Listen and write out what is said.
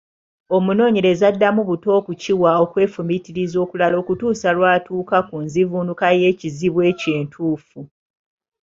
Omunoonyereza addamu buto okukiwa okwefumiitiriza okulala okutuusa lw’atuuka ku nzivuunuka y’ekizibu ekyo entuufu.